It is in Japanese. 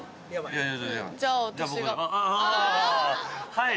はい。